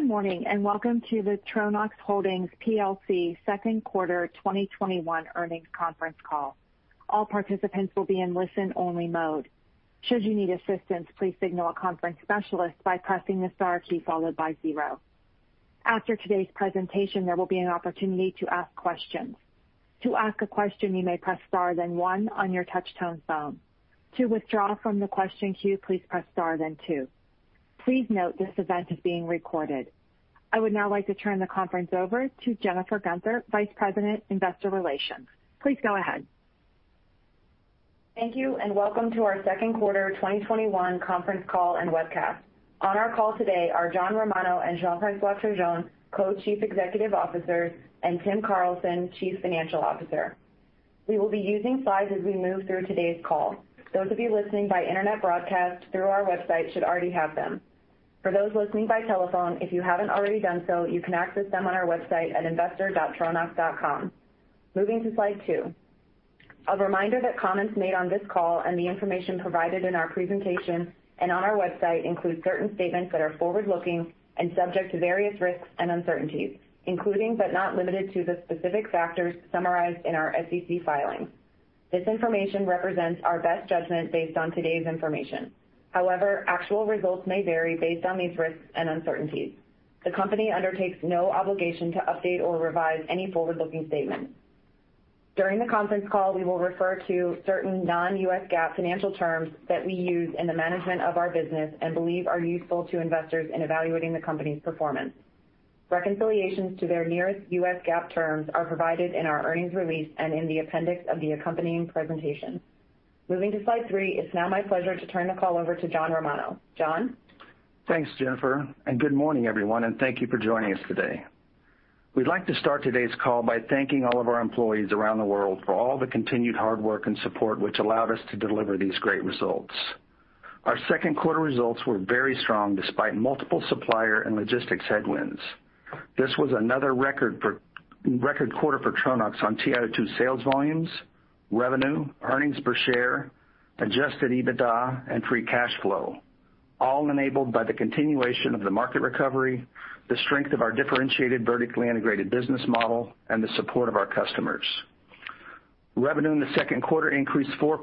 Good morning, and welcome to the Tronox Holdings plc second quarter 2021 earnings conference call. All participants will be in listen-only mode. Should you need assistance, please signal a conference specialist by pressing the star key followed by zero. After today's presentation, there will be an opportunity to ask questions. To ask a question, you may press star then one on your touch-tone phone. To withdraw from the question queue, please press star then two. Please note, this event is being recorded. I would now like to turn the conference over to Jennifer Guenther, Vice President, Investor Relations. Please go ahead. Thank you, and welcome to our second quarter 2021 conference call and webcast. On our call today are John Romano and Jean-François Turgeon, Co-Chief Executive Officers, and Tim Carlson, Chief Financial Officer. We will be using slides as we move through today's call. Those of you listening by internet broadcast through our website should already have them. For those listening by telephone, if you haven't already done so, you can access them on our website at investor.tronox.com. Moving to slide 2. A reminder that comments made on this call and the information provided in our presentation and on our website include certain statements that are forward-looking and subject to various risks and uncertainties, including, but not limited to, the specific factors summarized in our SEC filings. This information represents our best judgment based on today's information. However, actual results may vary based on these risks and uncertainties. The company undertakes no obligation to update or revise any forward-looking statements. During the conference call, we will refer to certain non-US GAAP financial terms that we use in the management of our business and believe are useful to investors in evaluating the company's performance. Reconciliations to their nearest US GAAP terms are provided in our earnings release and in the appendix of the accompanying presentation. Moving to slide 3. It's now my pleasure to turn the call over to John Romano. John? Thanks, Jennifer. Good morning, everyone, and thank you for joining us today. We'd like to start today's call by thanking all of our employees around the world for all the continued hard work and support which allowed us to deliver these great results. Our second-quarter results were very strong despite multiple supplier and logistics headwinds. This was another record quarter for Tronox on TiO2 sales volumes, revenue, earnings per share, adjusted EBITDA, and free cash flow, all enabled by the continuation of the market recovery, the strength of our differentiated vertically integrated business model, and the support of our customers. Revenue in the second quarter increased 4%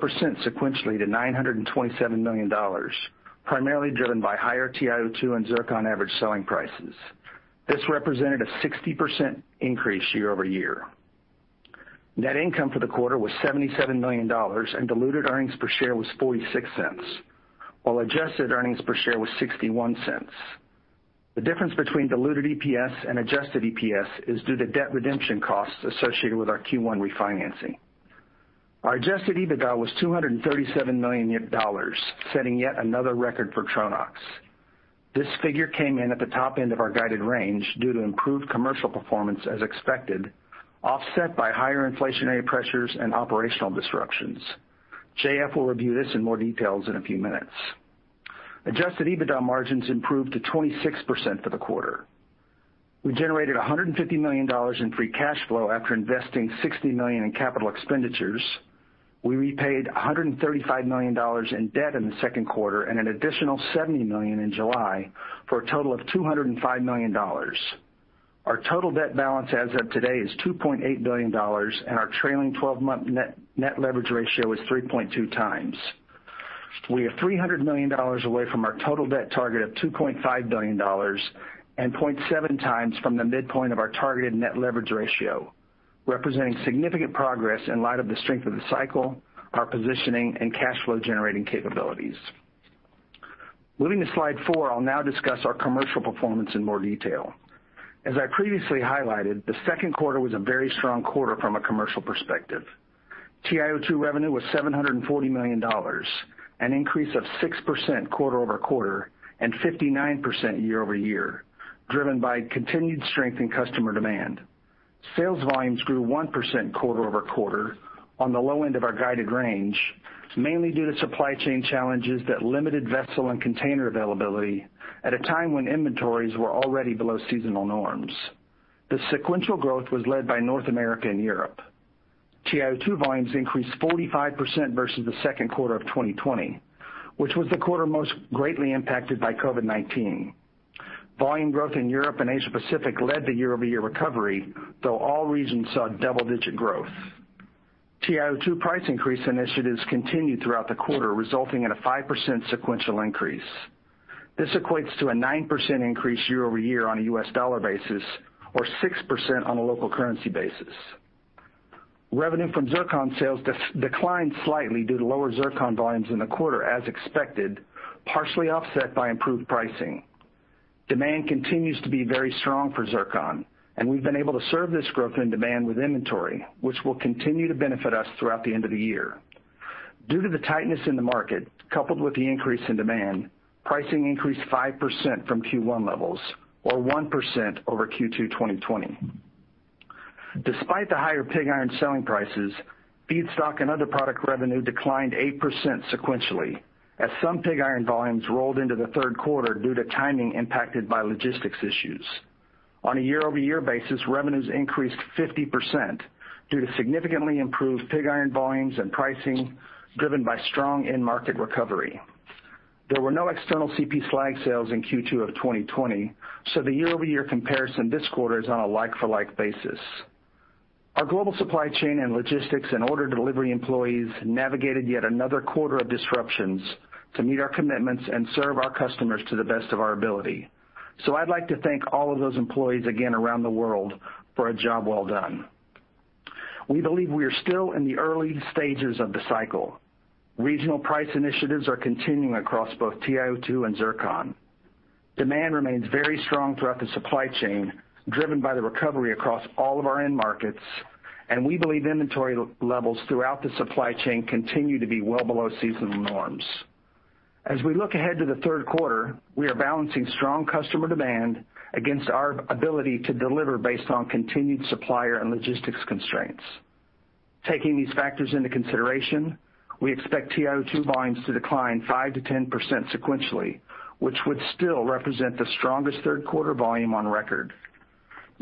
sequentially to $927 million, primarily driven by higher TiO2 and zircon average selling prices. This represented a 60% increase year-over-year. Net income for the quarter was $77 million, and diluted earnings per share was $0.46, while adjusted earnings per share was $0.61. The difference between diluted EPS and adjusted EPS is due to debt redemption costs associated with our Q1 refinancing. Our adjusted EBITDA was $237 million, setting yet another record for Tronox. This figure came in at the top end of our guided range due to improved commercial performance as expected, offset by higher inflationary pressures and operational disruptions. JF will review this in more details in a few minutes. Adjusted EBITDA margins improved to 26% for the quarter. We generated $150 million in free cash flow after investing $60 million in capital expenditures. We repaid $135 million in debt in the second quarter and an additional $70 million in July for a total of $205 million. Our total debt balance as of today is $2.8 billion, and our trailing 12-month net leverage ratio is 3.2x. We are $300 million away from our total debt target of $2.5 billion and 0.7x from the midpoint of our targeted net leverage ratio, representing significant progress in light of the strength of the cycle, our positioning, and cash flow generating capabilities. Moving to slide 4. I'll now discuss our commercial performance in more detail. As I previously highlighted, the second quarter was a very strong quarter from a commercial perspective. TiO2 revenue was $740 million, an increase of 6% quarter-over-quarter and 59% year-over-year, driven by continued strength in customer demand. Sales volumes grew 1% quarter-over-quarter on the low end of our guided range, mainly due to supply chain challenges that limited vessel and container availability at a time when inventories were already below seasonal norms. The sequential growth was led by North America and Europe. TiO2 volumes increased 45% versus the second quarter of 2020, which was the quarter most greatly impacted by COVID-19. Volume growth in Europe and Asia Pacific led the year-over-year recovery, though all regions saw double-digit growth. TiO2 price increase initiatives continued throughout the quarter, resulting in a 5% sequential increase. This equates to a 9% increase year-over-year on a U.S. dollar basis or 6% on a local currency basis. Revenue from zircon sales declined slightly due to lower zircon volumes in the quarter as expected, partially offset by improved pricing. Demand continues to be very strong for zircon, and we've been able to serve this growth in demand with inventory, which will continue to benefit us throughout the end of the year. Due to the tightness in the market, coupled with the increase in demand, pricing increased 5% from Q1 levels or 1% over Q2 2020. Despite the higher pig iron selling prices, feedstock and other product revenue declined 8% sequentially as some pig iron volumes rolled into the third quarter due to timing impacted by logistics issues. On a year-over-year basis, revenues increased 50% due to significantly improved pig iron volumes and pricing, driven by strong end market recovery. There were no external CP slag sales in Q2 of 2020, so the year-over-year comparison this quarter is on a like-for-like basis. Our global supply chain and logistics and order delivery employees navigated yet another quarter of disruptions to meet our commitments and serve our customers to the best of our ability. I'd like to thank all of those employees again around the world for a job well done. We believe we are still in the early stages of the cycle. Regional price initiatives are continuing across both TiO2 and zircon. Demand remains very strong throughout the supply chain, driven by the recovery across all of our end markets, and we believe inventory levels throughout the supply chain continue to be well below seasonal norms. As we look ahead to the third quarter, we are balancing strong customer demand against our ability to deliver based on continued supplier and logistics constraints. Taking these factors into consideration, we expect TiO2 volumes to decline 5%-10% sequentially, which would still represent the strongest third-quarter volume on record.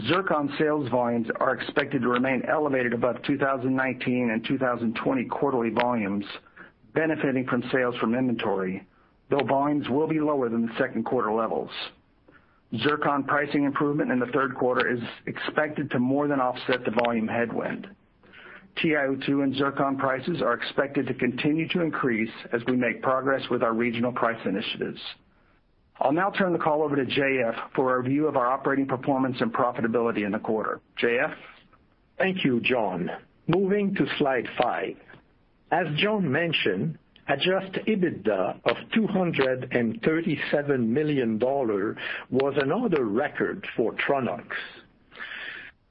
Zircon sales volumes are expected to remain elevated above 2019 and 2020 quarterly volumes, benefiting from sales from inventory, though volumes will be lower than the second quarter levels. Zircon pricing improvement in the third quarter is expected to more than offset the volume headwind. TiO2 and zircon prices are expected to continue to increase as we make progress with our regional price initiatives. I'll now turn the call over to JF for a view of our operating performance and profitability in the quarter. JF? Thank you, John. Moving to slide 5. As John mentioned, adjusted EBITDA of $237 million was another record for Tronox.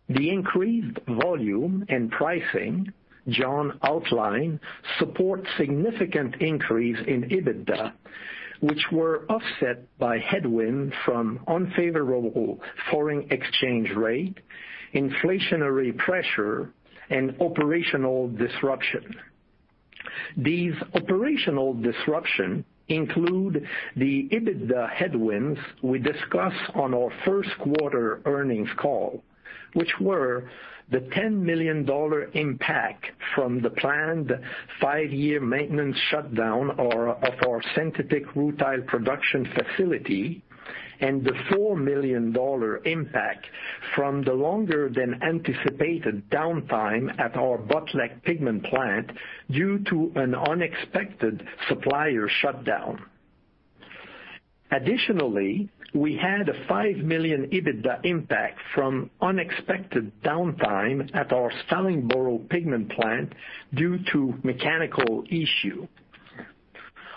The increased volume and pricing John outlined support significant increase in EBITDA, which were offset by headwind from unfavorable foreign exchange rate, inflationary pressure, and operational disruption. These operational disruption include the EBITDA headwinds we discussed on our first quarter earnings call, which were the $10 million impact from the planned five-year maintenance shutdown of our synthetic rutile production facility and the $4 million impact from the longer-than-anticipated downtime at our Botlek pigment plant due to an unexpected supplier shutdown. Additionally, we had a $5 million EBITDA impact from unexpected downtime at our Stallingborough pigment plant due to mechanical issue.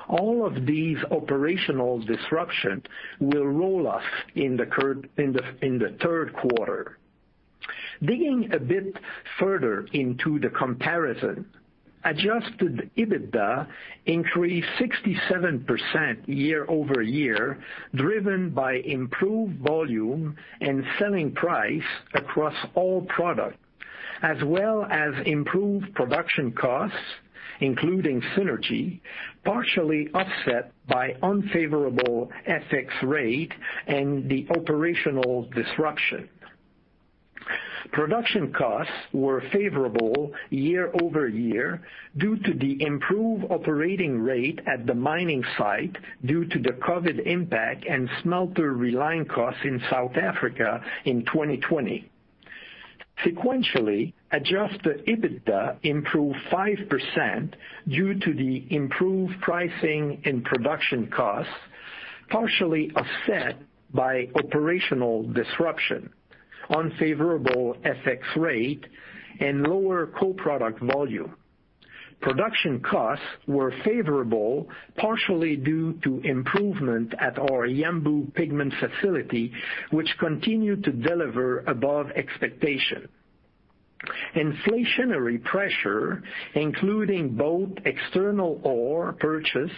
All of these operational disruption will roll off in the third quarter. Digging a bit further into the comparison, adjusted EBITDA increased 67% year-over-year, driven by improved volume and selling price across all products, as well as improved production costs, including synergy, partially offset by unfavorable FX rate and the operational disruption. Production costs were favorable year-over-year due to the improved operating rate at the mining site due to the COVID-19 impact and smelter reline costs in South Africa in 2020. Sequentially, adjusted EBITDA improved 5% due to the improved pricing and production costs, partially offset by operational disruption, unfavorable FX rate, and lower co-product volume. Production costs were favorable partially due to improvement at our Yanbu pigment facility, which continued to deliver above expectation. Inflationary pressure, including both external ore purchase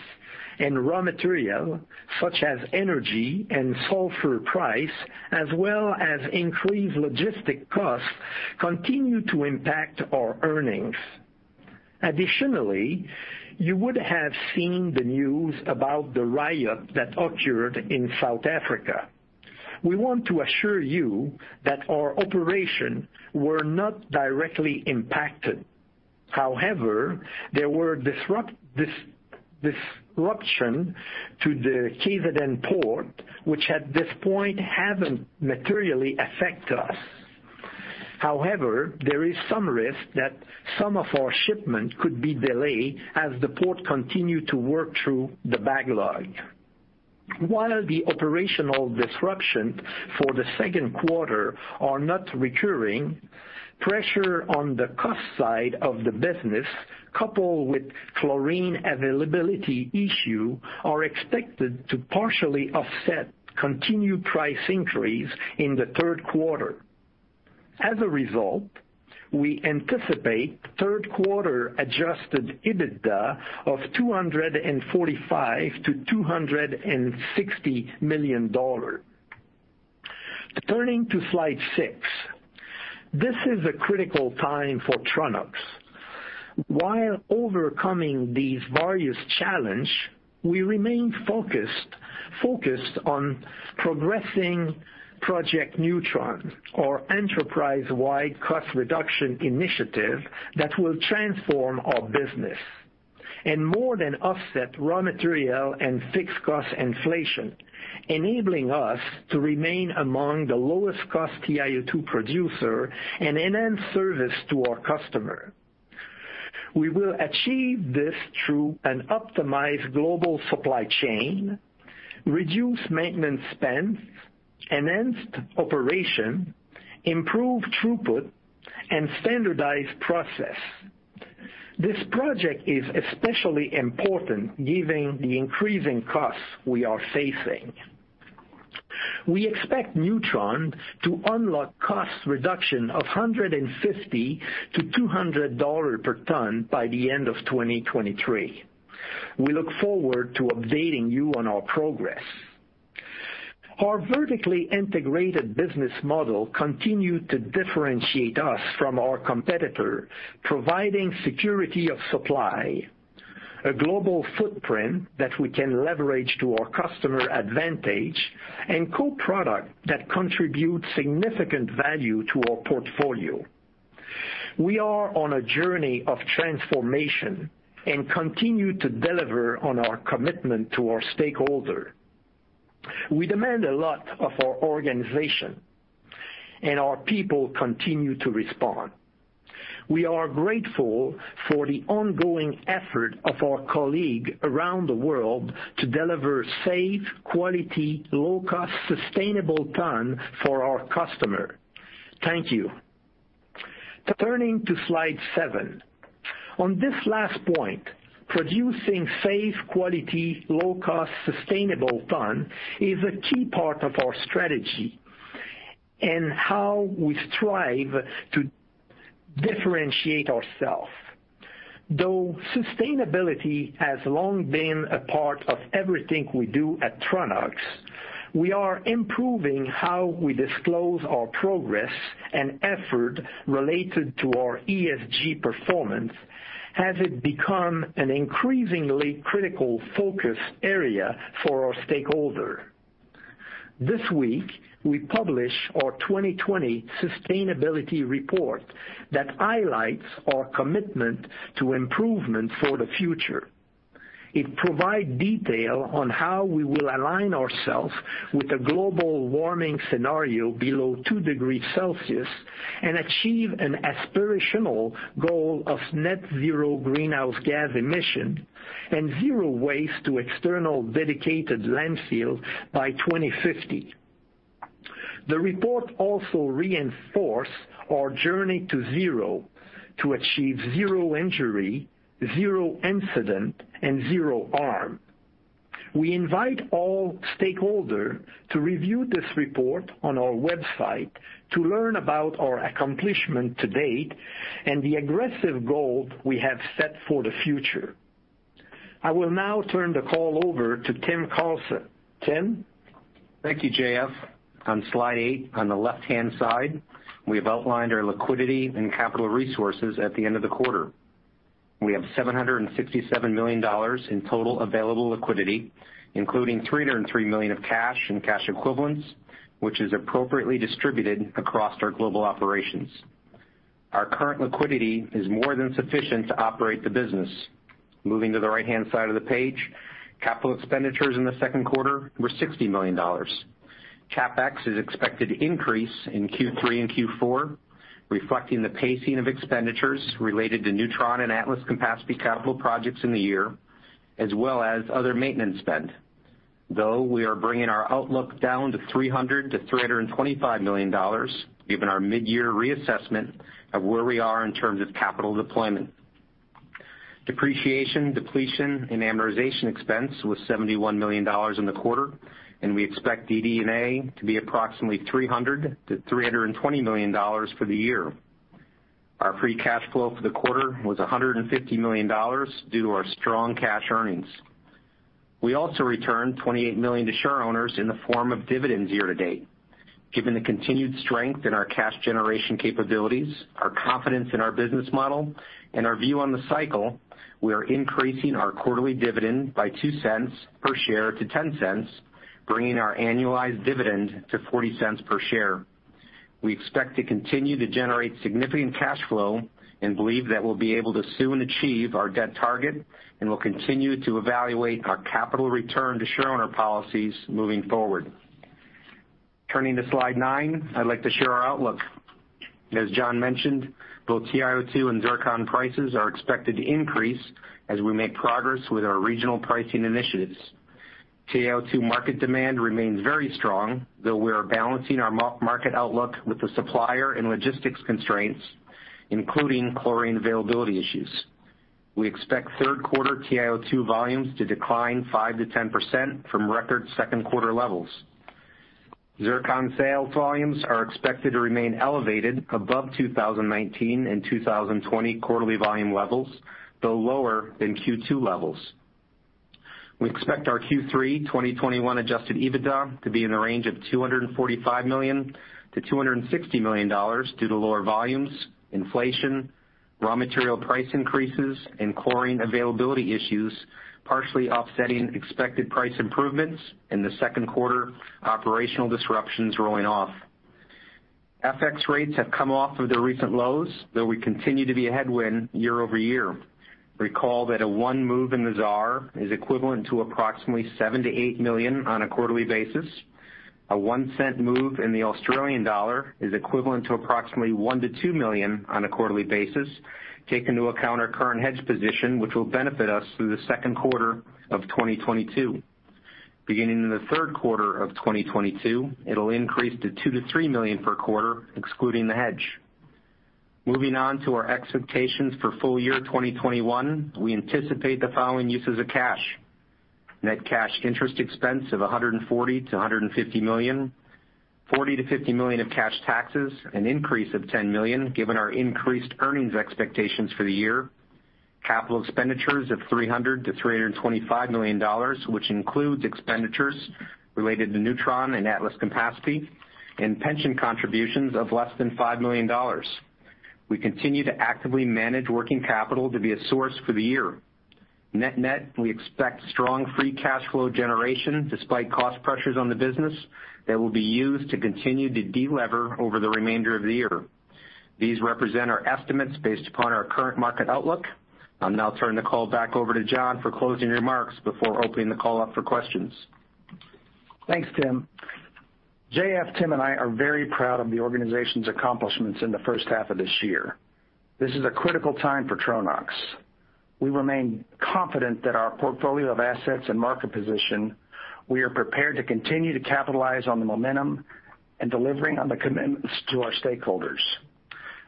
and raw material, such as energy and sulfur price, as well as increased logistic costs, continued to impact our earnings. Additionally, you would have seen the news about the riot that occurred in South Africa. We want to assure you that our operation were not directly impacted. However, there were disruption to the KZN port, which at this point haven't materially affect us. However, there is some risk that some of our shipment could be delayed as the port continue to work through the backlog. While the operational disruption for the second quarter are not recurring, pressure on the cost side of the business, coupled with chlorine availability issue, are expected to partially offset continued price increase in the third quarter. As a result, we anticipate third quarter adjusted EBITDA of $245 million-$260 million. Turning to slide 6. This is a critical time for Tronox. While overcoming these various challenges, we remain focused on progressing Project newTRON, our enterprise-wide cost reduction initiative that will transform our business and more than offset raw material and fixed cost inflation, enabling us to remain among the lowest cost TiO2 producers and enhance service to our customers. We will achieve this through an optimized global supply chain, reduced maintenance spend, enhanced operations, improved throughput, and standardized processes. This project is especially important given the increasing costs we are facing. We expect newTRON to unlock cost reduction of $150-$200 per ton by the end of 2023. We look forward to updating you on our progress. Our vertically integrated business model continues to differentiate us from our competitors, providing security of supply, a global footprint that we can leverage to our customer advantage, and co-products that contribute significant value to our portfolio. We are on a journey of transformation and continue to deliver on our commitment to our stakeholder. We demand a lot of our organization, and our people continue to respond. We are grateful for the ongoing effort of our colleague around the world to deliver safe, quality, low-cost, sustainable ton for our customer. Thank you. Turning to slide 7. On this last point, producing safe, quality, low-cost, sustainable ton is a key part of our strategy and how we strive to differentiate ourself. Though sustainability has long been a part of everything we do at Tronox, we are improving how we disclose our progress and effort related to our ESG performance, as it become an increasingly critical focus area for our stakeholder. This week, we publish our 2020 sustainability report that highlights our commitment to improvement for the future. It provide detail on how we will align ourself with a global warming scenario below 2 degrees Celsius and achieve an aspirational goal of net zero greenhouse gas emission and zero waste to external dedicated landfill by 2050. The report also reinforce our Journey to Zero, to achieve zero injury, zero incident, and zero harm. We invite all stakeholder to review this report on our website to learn about our accomplishment to date and the aggressive goal we have set for the future. I will now turn the call over to Tim Carlson. Tim? Thank you, JF. On slide 8, on the left-hand side, we have outlined our liquidity and capital resources at the end of the quarter. We have $767 million in total available liquidity, including $303 million of cash and cash equivalents, which is appropriately distributed across our global operations. Our current liquidity is more than sufficient to operate the business. Moving to the right-hand side of the page, capital expenditures in the second quarter were $60 million. CapEx is expected to increase in Q3 and Q4, reflecting the pacing of expenditures related to newTRON and Atlas-Campaspe capital projects in the year, as well as other maintenance spend. We are bringing our outlook down to $300 million-$325 million, given our mid-year reassessment of where we are in terms of capital deployment. Depreciation, depletion, and amortization expense was $71 million in the quarter. We expect DD&A to be approximately $300 million-$320 million for the year. Our free cash flow for the quarter was $150 million due to our strong cash earnings. We also returned $28 million to shareowners in the form of dividends year to date. Given the continued strength in our cash generation capabilities, our confidence in our business model, and our view on the cycle, we are increasing our quarterly dividend by $0.02 per share to $0.10, bringing our annualized dividend to $0.40 per share. We expect to continue to generate significant cash flow and believe that we'll be able to soon achieve our debt target. We'll continue to evaluate our capital return to shareowner policies moving forward. Turning to slide 9, I'd like to share our outlook. As John mentioned, both TiO2 and zircon prices are expected to increase as we make progress with our regional pricing initiatives. TiO2 market demand remains very strong, though we are balancing our market outlook with the supplier and logistics constraints, including chlorine availability issues. We expect third-quarter TiO2 volumes to decline 5%-10% from record second-quarter levels. Zircon sales volumes are expected to remain elevated above 2019 and 2020 quarterly volume levels, though lower than Q2 levels. We expect our Q3 2021 adjusted EBITDA to be in the range of $245 million-$260 million due to lower volumes, inflation, raw material price increases, and chlorine availability issues, partially offsetting expected price improvements in the second quarter operational disruptions rolling off. FX rates have come off of their recent lows, though will continue to be a headwind year-over-year. Recall that a one move in the ZAR is equivalent to approximately $7 million-$8 million on a quarterly basis. A $0.01 move in the Australian dollar is equivalent to approximately $1 million-$2 million on a quarterly basis, take into account our current hedge position, which will benefit us through the second quarter of 2022. Beginning in the third quarter of 2022, it'll increase to $2 million-$3 million per quarter, excluding the hedge. Moving on to our expectations for full year 2021, we anticipate the following uses of cash. Net cash interest expense of $140 million-$150 million, $40 million-$50 million of cash taxes, an increase of $10 million, given our increased earnings expectations for the year. Capital expenditures of $300 million-$325 million, which includes expenditures related to newTRON and Atlas-Campaspe, and pension contributions of less than $5 million. We continue to actively manage working capital to be a source for the year. Net net, we expect strong free cash flow generation despite cost pressures on the business that will be used to continue to de-lever over the remainder of the year. These represent our estimates based upon our current market outlook. I'll now turn the call back over to John for closing remarks before opening the call up for questions. Thanks, Tim. J.F., Tim, and I are very proud of the organization's accomplishments in the first half of this year. This is a critical time for Tronox. We remain confident that our portfolio of assets and market position, we are prepared to continue to capitalize on the momentum and delivering on the commitments to our stakeholders.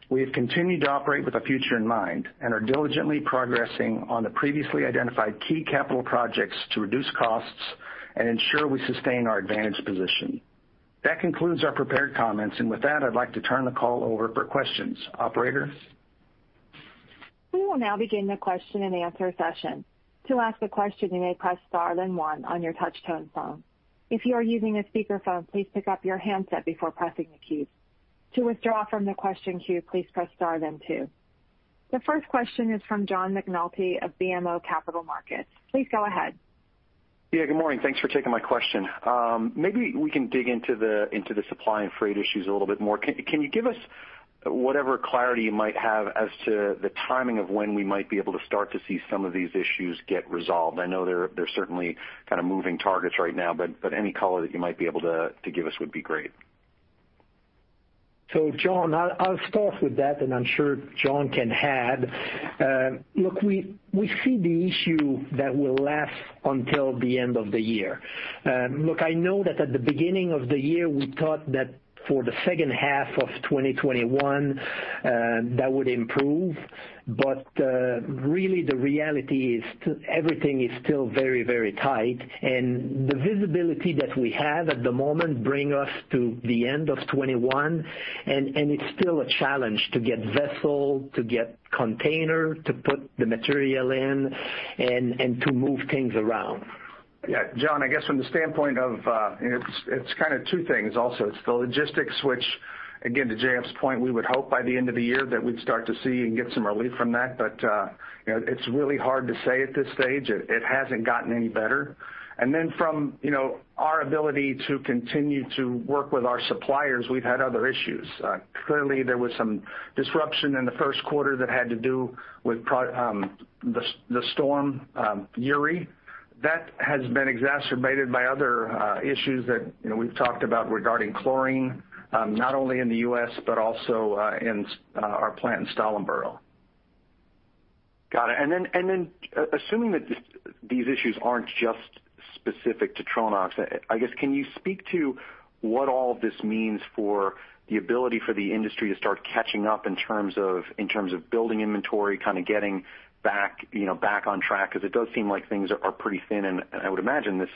We have continued to operate with the future in mind and are diligently progressing on the previously identified key capital projects to reduce costs and ensure we sustain our advantage position. That concludes our prepared comments. With that, I'd like to turn the call over for questions. Operator? We will now begin the question and answer session. To ask a question, you may press star then one on your touch-tone phone. If you are using a speakerphone, please pick up your handset before pressing the keys. To withdraw from the question queue, please press star then two. The first question is from John McNulty of BMO Capital Markets. Please go ahead. Yeah, good morning. Thanks for taking my question. Maybe we can dig into the supply and freight issues a little bit more. Can you give us whatever clarity you might have as to the timing of when we might be able to start to see some of these issues get resolved? I know they're certainly kind of moving targets right now, but any color that you might be able to give us would be great. John, I'll start off with that, and I'm sure John can add. Look, we see the issue that will last until the end of the year. Look, I know that at the beginning of the year, we thought that for the second half of 2021, that would improve. Really the reality is everything is still very tight. The visibility that we have at the moment bring us to the end of 2021, and it's still a challenge to get vessel, to get container, to put the material in, and to move things around. Yeah. John, I guess from the standpoint, it's kind of two things also. It's the logistics which, again, to J.F.'s point, we would hope by the end of the year that we'd start to see and get some relief from that. It's really hard to say at this stage. It hasn't gotten any better. From our ability to continue to work with our suppliers, we've had other issues. Clearly, there was some disruption in the first quarter that had to do with the Storm Uri. That has been exacerbated by other issues that we've talked about regarding chlorine, not only in the U.S., but also in our plant in Stallingborough. Got it. Assuming that these issues aren't just specific to Tronox, I guess, can you speak to what all of this means for the ability for the industry to start catching up in terms of building inventory, kind of getting back on track? It does seem like things are pretty thin, and I would imagine this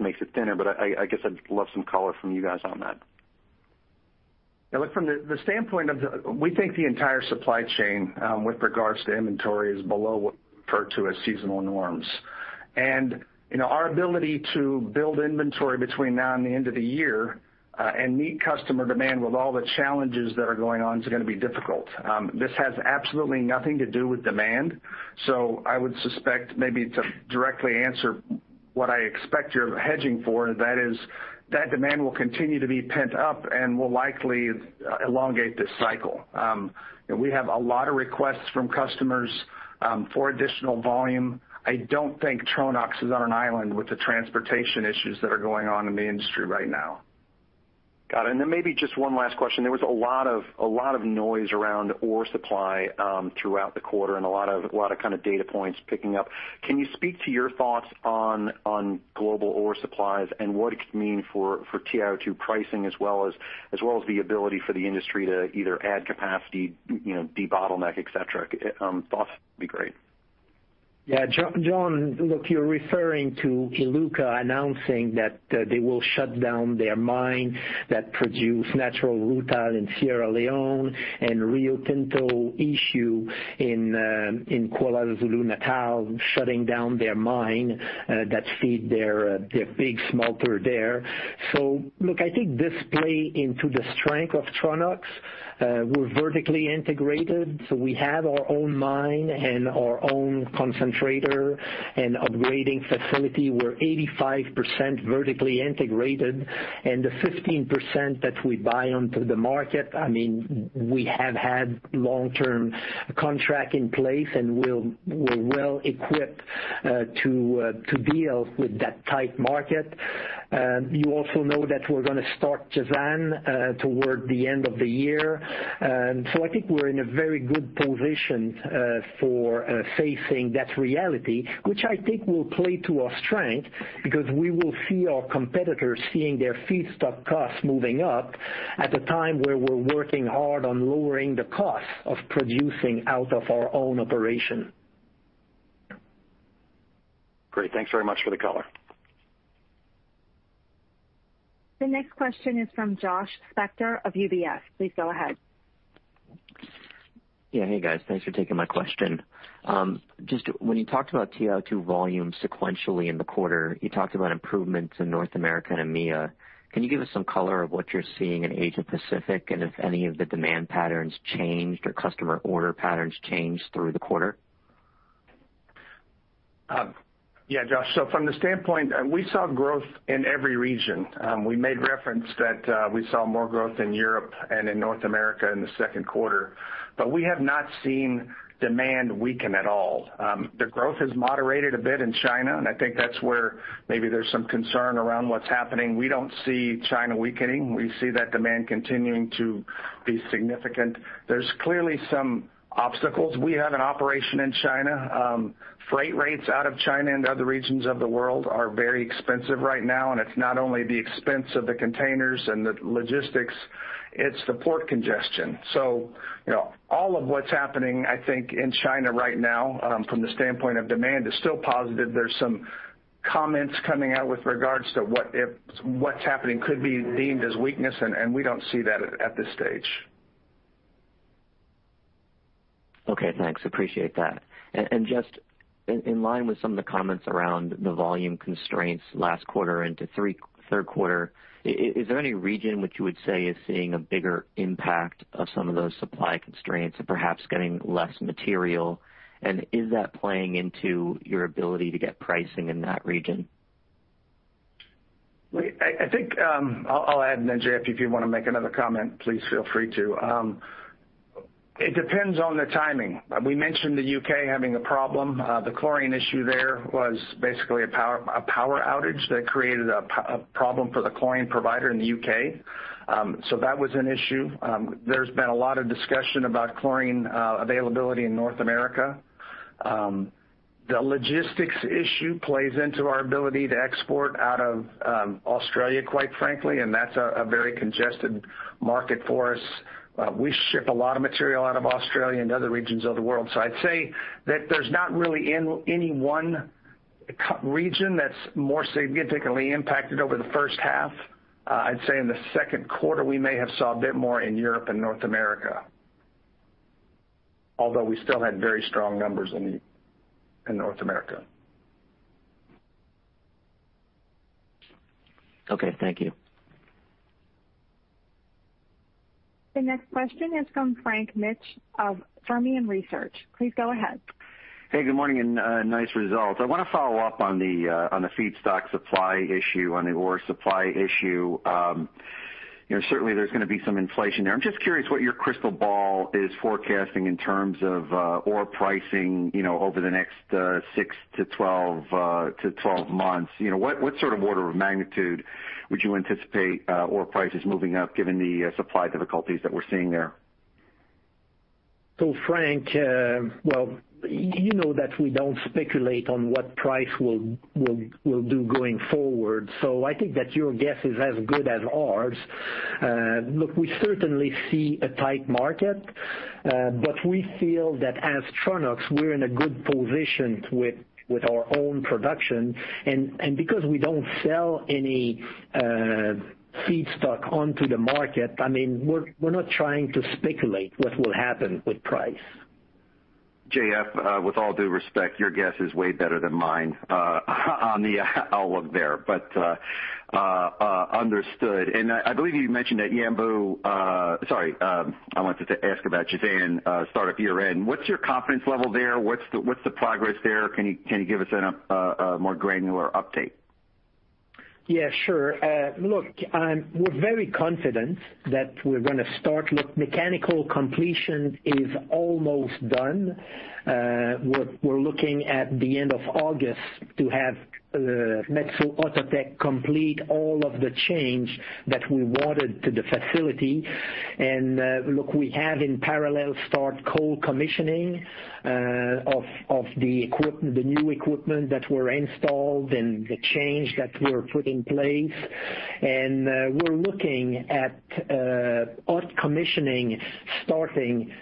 makes it thinner. I guess I'd love some color from you guys on that. Look from the standpoint of the we think the entire supply chain with regards to inventory is below what we refer to as seasonal norms. Our ability to build inventory between now and the end of the year, and meet customer demand with all the challenges that are going on is going to be difficult. This has absolutely nothing to do with demand. I would suspect maybe to directly answer what I expect you're hedging for, that is that demand will continue to be pent up and will likely elongate this cycle. We have a lot of requests from customers for additional volume. I don't think Tronox is on an island with the transportation issues that are going on in the industry right now. Got it. Maybe just one last question. There was a lot of noise around ore supply throughout the quarter and a lot of kind of data points picking up. Can you speak to your thoughts on global ore supplies and what it could mean for TiO2 pricing as well as the ability for the industry to either add capacity, de-bottleneck, et cetera? Thoughts would be great. Yeah. John, look, you're referring to Iluka announcing that they will shut down their one mine that produce natural rutile in Sierra Leone and Rio Tinto issue in KwaZulu-Natal, shutting down their mine that feed their big smelter there. Look, I think this play into the strength of Tronox. We're vertically integrated, so we have our own mine and our own concentrator and upgrading facility. We're 85% vertically integrated, and the 15% that we buy onto the market, we have had long-term contract in place, and we're well equipped to deal with that tight market. You also know that we're going to start Jazan toward the end of the year. I think we're in a very good position for facing that reality, which I think will play to our strength because we will see our competitors seeing their feedstock costs moving up at a time where we're working hard on lowering the cost of producing out of our own operation. Great. Thanks very much for the color. The next question is from Josh Spector of UBS. Please go ahead. Yeah. Hey, guys. Thanks for taking my question. Just when you talked about TiO2 volume sequentially in the quarter, you talked about improvements in North America and EMEA. Can you give us some color of what you're seeing in Asia Pacific and if any of the demand patterns changed or customer order patterns changed through the quarter? Yeah, Josh. From the standpoint, we saw growth in every region. We made reference that we saw more growth in Europe and in North America in the second quarter, we have not seen demand weaken at all. The growth has moderated a bit in China, I think that's where maybe there's some concern around what's happening. We don't see China weakening. We see that demand continuing to be significant. There's clearly some obstacles. We have an operation in China. Freight rates out of China into other regions of the world are very expensive right now, it's not only the expense of the containers and the logistics, it's the port congestion. All of what's happening, I think in China right now, from the standpoint of demand, is still positive. There's some comments coming out with regards to what if what's happening could be deemed as weakness. We don't see that at this stage. Okay, thanks. Appreciate that. Just in line with some of the comments around the volume constraints last quarter into third quarter, is there any region which you would say is seeing a bigger impact of some of those supply constraints and perhaps getting less material? Is that playing into your ability to get pricing in that region? I think I'll add, and then J.F., if you want to make another comment, please feel free to. It depends on the timing. We mentioned the U.K. having a problem. The chlorine issue there was basically a power outage that created a problem for the chlorine provider in the U.K. That was an issue. There's been a lot of discussion about chlorine availability in North America. The logistics issue plays into our ability to export out of Australia, quite frankly, and that's a very congested market for us. We ship a lot of material out of Australia into other regions of the world. I'd say that there's not really any one region that's more significantly impacted over the first half. I'd say in the second quarter, we may have saw a bit more in Europe and North America, although we still had very strong numbers in North America. Okay, thank you. The next question is from Frank Mitsch of Fermium Research. Please go ahead. Hey, good morning, and nice results. I want to follow up on the feedstock supply issue, on the ore supply issue. Certainly, there's going to be some inflation there. I'm just curious what your crystal ball is forecasting in terms of ore pricing over the next 6-12 months. What sort of order of magnitude would you anticipate ore prices moving up given the supply difficulties that we're seeing there? Frank, well, you know that we don't speculate on what price will do going forward. I think that your guess is as good as ours. Look, we certainly see a tight market, but we feel that as Tronox, we're in a good position with our own production. Because we don't sell any feedstock onto the market, we're not trying to speculate what will happen with price. J.F., with all due respect, your guess is way better than mine on the outlook there. Understood. Sorry, I wanted to ask about Jazan startup year-end. What's your confidence level there? What's the progress there? Can you give us a more granular update? Yeah, sure. We're very confident that we're going to start. Mechanical completion is almost done. We're looking at the end of August to have Metso Outotec complete all of the change that we wanted to the facility. We have in parallel start cold commissioning of the new equipment that were installed and the change that we're putting in place. We're looking at hot commissioning starting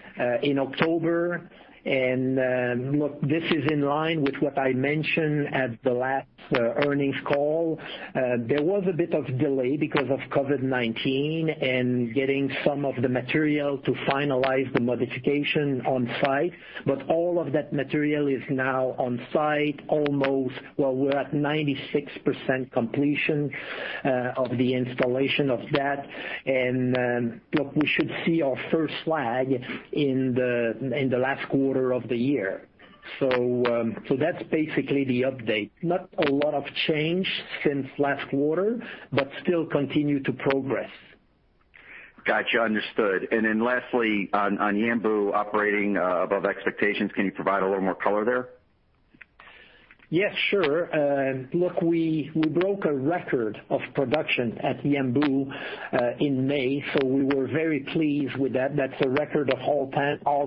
in October. This is in line with what I mentioned at the last earnings call. There was a bit of delay because of COVID-19 and getting some of the material to finalize the modification on site. All of that material is now on site almost. Well, we're at 96% completion of the installation of that. We should see our first slag in the last quarter of the year. That's basically the update. Not a lot of change since last quarter, but still continue to progress. Got you. Understood. Lastly, on Yanbu operating above expectations, can you provide a little more color there? Yes, sure. We broke a record of production at Yanbu in May. We were very pleased with that. That's a record of all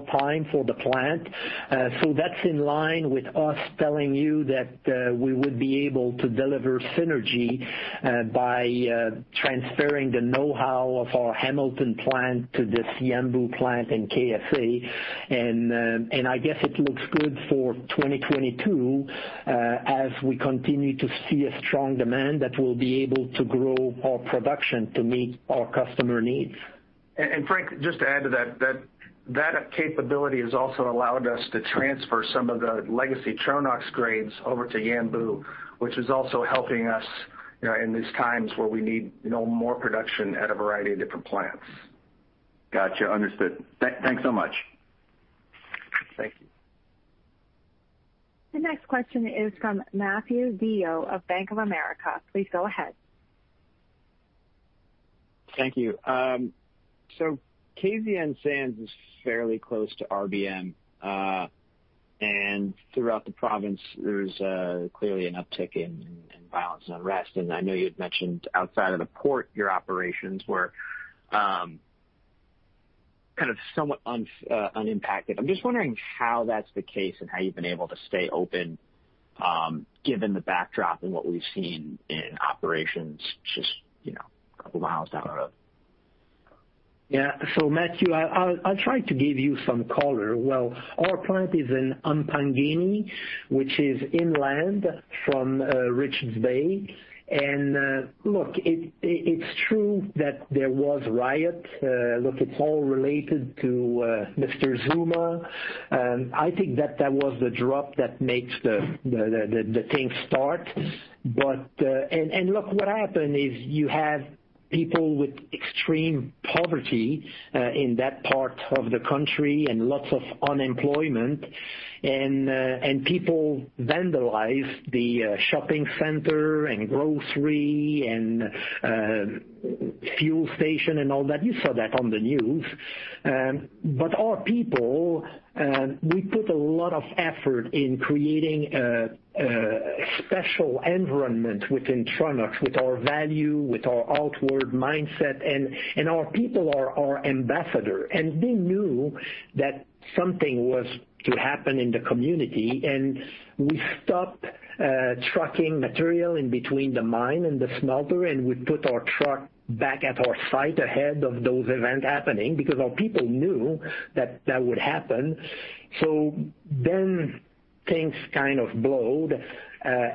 time for the plant. That's in line with us telling you that we would be able to deliver synergy by transferring the know-how of our Hamilton plant to this Yanbu plant in KSA. I guess it looks good for 2022, as we continue to see a strong demand that we'll be able to grow our production to meet our customer needs. Frank, just to add to that capability has also allowed us to transfer some of the legacy Tronox grades over to Yanbu, which is also helping us in these times where we need more production at a variety of different plants. Got you. Understood. Thanks so much. Thank you. The next question is from Matthew DeYoe of Bank of America. Please go ahead. Thank you. KZN Sands is fairly close to RBM. Throughout the province, there's clearly an uptick in violence and unrest. I know you had mentioned outside of the port, your operations were kind of somewhat unimpacted. I'm just wondering how that's the case and how you've been able to stay open given the backdrop and what we've seen in operations just a couple of miles down the road. Matthew, I'll try to give you some color. Well, our plant is in Empangeni, which is inland from Richards Bay. Look, it's true that there was riot. Look, it's all related to Mr. Zuma. I think that was the drop that makes the thing start. Look, what happened is you have people with extreme poverty in that part of the country and lots of unemployment. People vandalized the shopping center and grocery and fuel station and all that. You saw that on the news. Our people, we put a lot of effort in creating a special environment within Tronox with our value, with our outward mindset, and our people are our ambassador. They knew that something was to happen in the community, we stopped trucking material in between the mine and the smelter, and we put our truck back at our site ahead of those events happening because our people knew that would happen. Things kind of blew,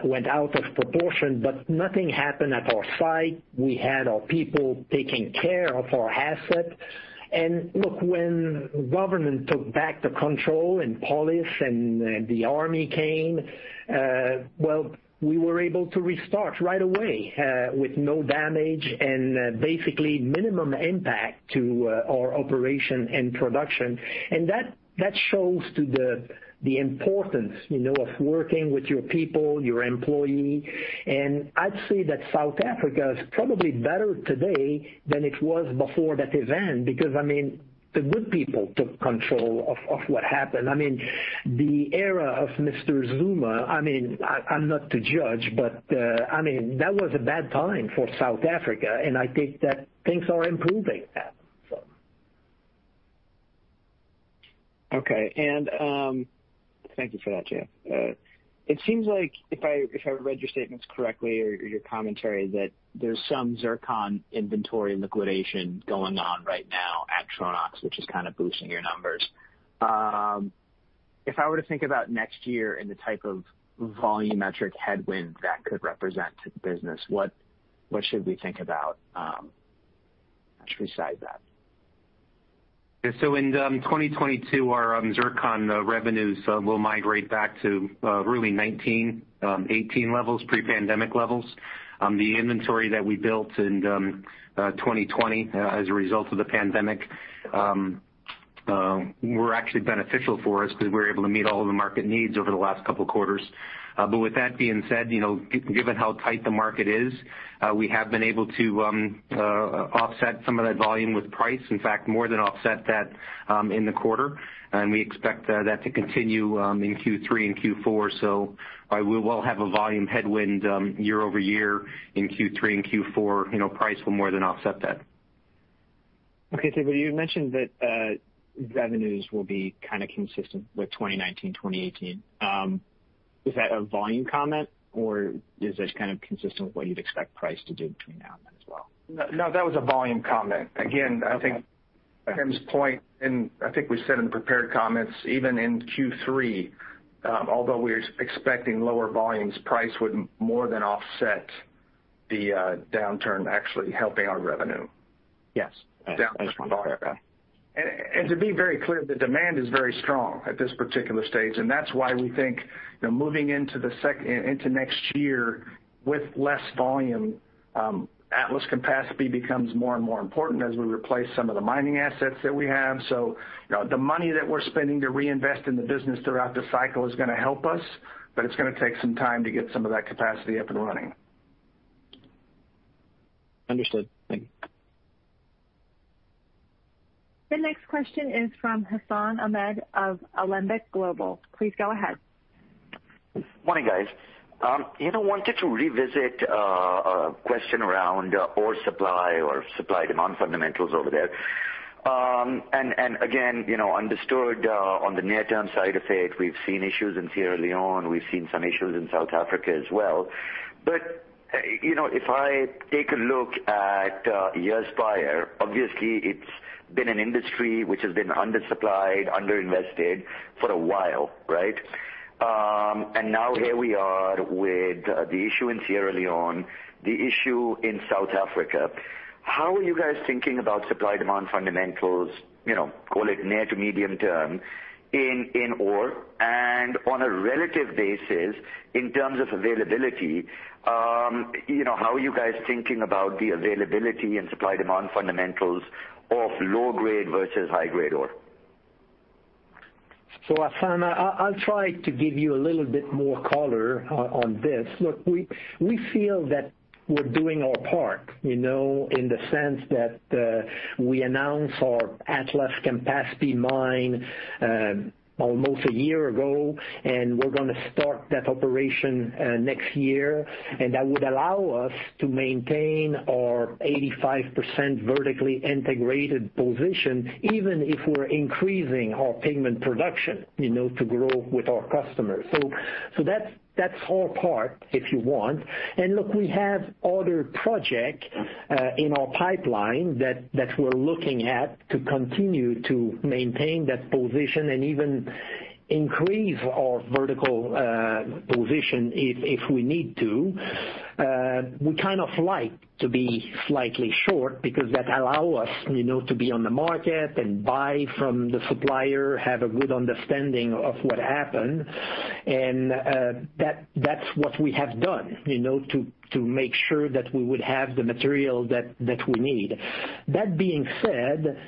went out of proportion, but nothing happened at our site. We had our people taking care of our asset. Look, when government took back the control and police and the army came, well, we were able to restart right away with no damage and basically minimum impact to our operation and production. That shows to the importance of working with your people, your employees. I'd say that South Africa is probably better today than it was before that event, because the good people took control of what happened. The era of Mr. Zuma, I'm not to judge, but that was a bad time for South Africa, and I think that things are improving now. Okay. Thank you for that, too. It seems like if I read your statements correctly or your commentary, that there's some zircon inventory liquidation going on right now at Tronox, which is kind of boosting your numbers. If I were to think about next year and the type of volumetric headwind that could represent to the business, what should we think about besides that? In 2022, our zircon revenues will migrate back to really 2019, 2018 levels, pre-pandemic levels. The inventory that we built in 2020 as a result of the pandemic were actually beneficial for us because we were able to meet all of the market needs over the last couple of quarters. With that being said, given how tight the market is, we have been able to offset some of that volume with price. In fact, more than offset that in the quarter. We expect that to continue in Q3 and Q4. While we will have a volume headwind year-over-year in Q3 and Q4, price will more than offset that. Okay. You mentioned that revenues will be consistent with 2019, 2018. Is that a volume comment or is this consistent with what you'd expect price to do between now and then as well? No, that was a volume comment. I think Tim's point, and I think we said in prepared comments, even in Q3, although we're expecting lower volumes, price would more than offset the downturn, actually helping our revenue. Yes. That's fine. To be very clear, the demand is very strong at this particular stage. That's why we think moving into next year with less volume, Atlas-Campaspe becomes more and more important as we replace some of the mining assets that we have. The money that we're spending to reinvest in the business throughout the cycle is going to help us, but it's going to take some time to get some of that capacity up and running. Understood. Thank you. The next question is from Hassan Ahmed of Alembic Global. Please go ahead. Morning, guys. I wanted to revisit a question around ore supply or supply-demand fundamentals over there. Again, understood on the near-term side effect, we've seen issues in Sierra Leone, we've seen some issues in South Africa as well. If I take a look at years prior, obviously it's been an industry which has been undersupplied, under-invested for a while, right? Now here we are with the issue in Sierra Leone, the issue in South Africa. How are you guys thinking about supply-demand fundamentals, call it near to medium term, in ore? On a relative basis, in terms of availability, how are you guys thinking about the availability and supply-demand fundamentals of low-grade versus high-grade ore? Hassan, I'll try to give you a little bit more color on this. Look, we feel that we're doing our part, in the sense that we announced our Atlas-Campaspe mine almost a year ago, and we're going to start that operation next year. That would allow us to maintain our 85% vertically integrated position, even if we're increasing our pigment production to grow with our customers. That's our part, if you want. Look, we have other projects in our pipeline that we're looking at to continue to maintain that position and even increase our vertical position if we need to. We like to be slightly short because that allow us to be on the market and buy from the supplier, have a good understanding of what happened. That's what we have done to make sure that we would have the material that we need. That being said,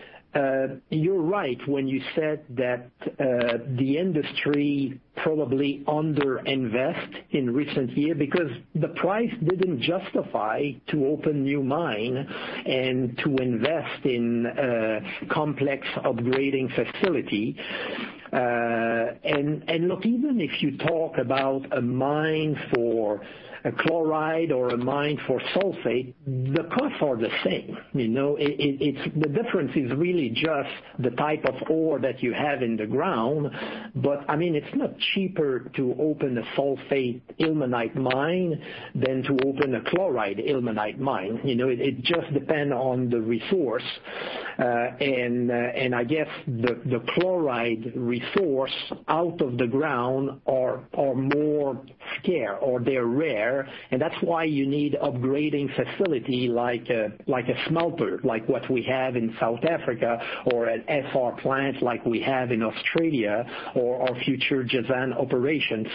you're right when you said that the industry probably underinvest in recent year because the price didn't justify to open new mine and to invest in complex upgrading facility. Look, even if you talk about a mine for a chloride or a mine for sulfate, the costs are the same. The difference is really just the type of ore that you have in the ground. It's not cheaper to open a sulfate ilmenite mine than to open a chloride ilmenite mine. It just depend on the resource. I guess the chloride resource out of the ground are more scarce, or they're rare. That's why you need upgrading facility like a smelter, like what we have in South Africa or an SR plant like we have in Australia or our future Jazan operation.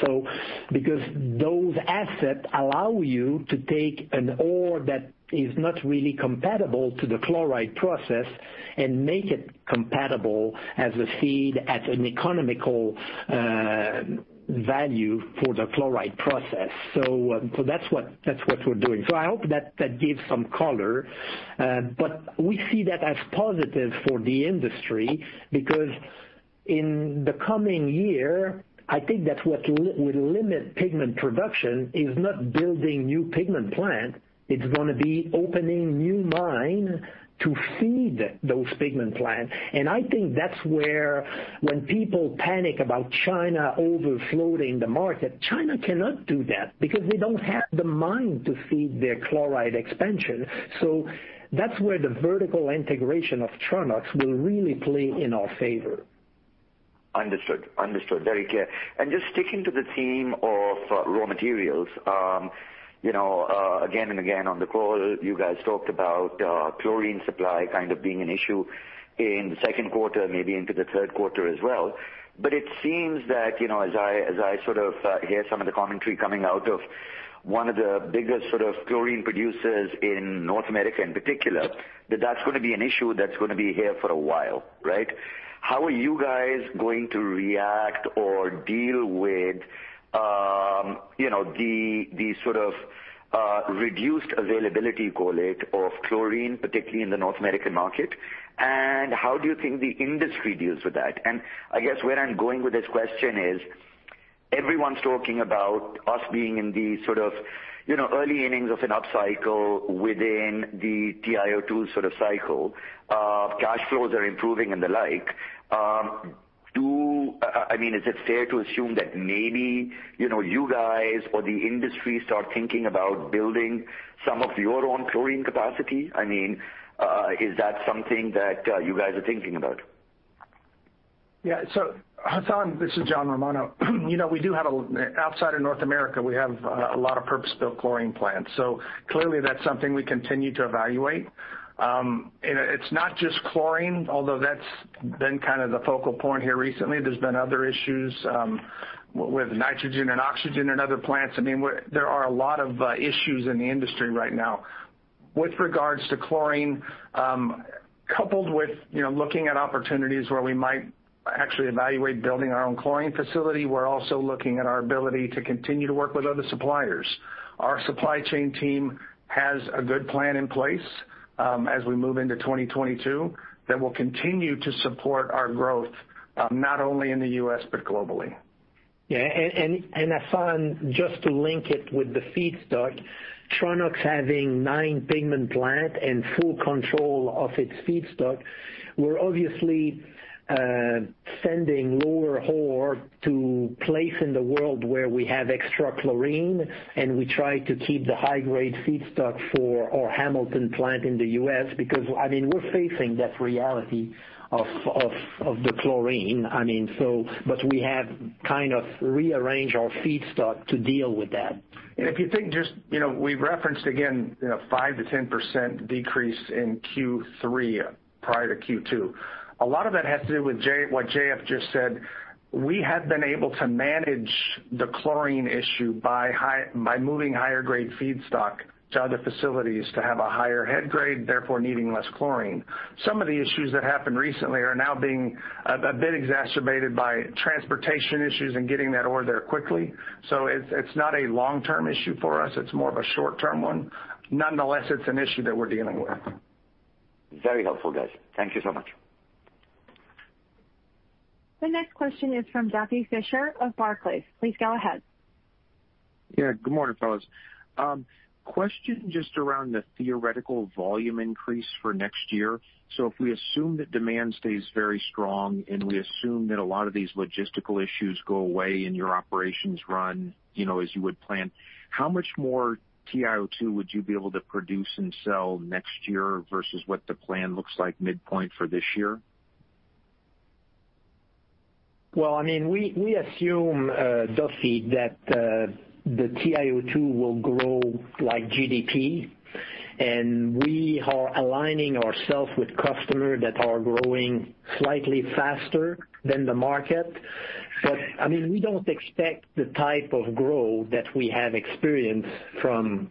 Those assets allow you to take an ore that is not really compatible to the chloride process and make it compatible as a feed at an economical value for the chloride process. That's what we're doing. I hope that gives some color. We see that as positive for the industry because in the coming year, I think that what will limit pigment production is not building new pigment plant. It's going to be opening new mine to feed those pigment plant. I think that's where when people panic about China overflowing the market, China cannot do that because they don't have the mine to feed their chloride expansion. That's where the vertical integration of Tronox will really play in our favor. Understood. Very clear. Just sticking to the theme of raw materials, again and again on the call, you guys talked about chlorine supply kind of being an issue in the second quarter, maybe into the third quarter as well. It seems that as I hear some of the commentary coming out of one of the biggest chlorine producers in North America in particular, that that's going to be an issue that's going to be here for a while, right? How are you guys going to react or deal with the sort of reduced availability, call it, of chlorine, particularly in the North American market? How do you think the industry deals with that? I guess where I'm going with this question is everyone's talking about us being in the early innings of an up cycle within the TiO2 cycle. Cash flows are improving and the like. Is it fair to assume that maybe you guys or the industry start thinking about building some of your own chlorine capacity? Is that something that you guys are thinking about? Yeah. Hassan, this is John Romano. Outside of North America, we have a lot of purpose-built chlorine plants. Clearly that's something we continue to evaluate. It's not just chlorine, although that's been kind of the focal point here recently. There's been other issues with nitrogen and oxygen in other plants. There are a lot of issues in the industry right now. With regards to chlorine, coupled with looking at opportunities where we might actually evaluate building our own chlorine facility, we're also looking at our ability to continue to work with other suppliers. Our supply chain team has a good plan in place as we move into 2022 that will continue to support our growth, not only in the U.S. but globally. Yeah. Hassan, just to link it with the feedstock, Tronox having nine pigment plant and full control of its feedstock, we're obviously sending lower ore to place in the world where we have extra chlorine, and we try to keep the high-grade feedstock for our Hamilton plant in the U.S. because we're facing that reality of the chlorine. We have kind of rearranged our feedstock to deal with that. If you think just, we've referenced again 5% to 10% decrease in Q3 prior to Q2. A lot of that has to do with what J.F. just said. We have been able to manage the chlorine issue by moving higher-grade feedstock to other facilities to have a higher head grade, therefore needing less chlorine. Some of the issues that happened recently are now being a bit exacerbated by transportation issues and getting that ore there quickly. It's not a long-term issue for us. It's more of a short-term one. Nonetheless, it's an issue that we're dealing with. Very helpful, guys. Thank you so much. The next question is from Duffy Fischer of Barclays. Please go ahead. Yeah. Good morning, fellas. Question just around the theoretical volume increase for next year. If we assume that demand stays very strong and we assume that a lot of these logistical issues go away and your operations run as you would plan, how much more TiO2 would you be able to produce and sell next year versus what the plan looks like midpoint for this year? We assume, Duffy, that the TiO2 will grow like GDP, and we are aligning ourselves with customers that are growing slightly faster than the market. We don't expect the type of growth that we have experienced from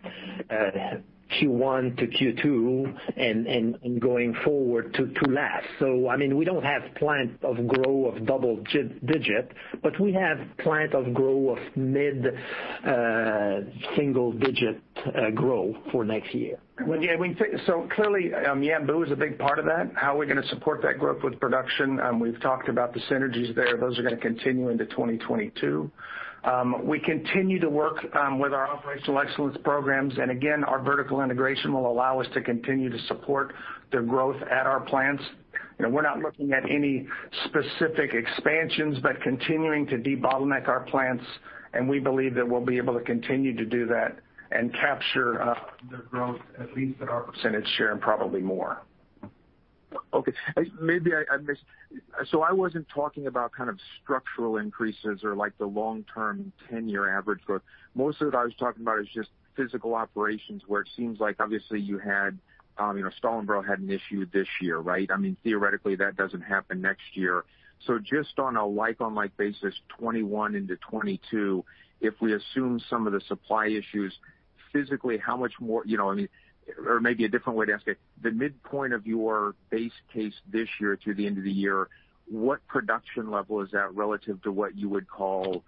Q1 to Q2 and going forward to last. We don't have a plan for double-digit growth, but we have a plan for mid-single-digit growth for next year. Clearly, Yanbu is a big part of that. How are we going to support that growth with production? We've talked about the synergies there. Those are going to continue into 2022. We continue to work with our operational excellence programs. Again, our vertical integration will allow us to continue to support their growth at our plants. We're not looking at any specific expansions, but continuing to debottleneck our plants, and we believe that we'll be able to continue to do that and capture their growth, at least at our percentage share, and probably more. Okay. I wasn't talking about kind of structural increases or like the long-term, 10-year average growth. Most of it I was talking about is just physical operations where it seems like obviously you had, Stallingborough had an issue this year, right? Theoretically, that doesn't happen next year. Just on a like-on-like basis, 2021 into 2022, if we assume some of the supply issues, or maybe a different way to ask it, the midpoint of your base case this year through the end of the year, what production level is that relative to what you would call